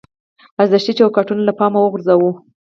ارزښتي چوکاټونه له پامه وغورځوو.